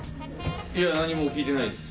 いや何も持ってきてないです。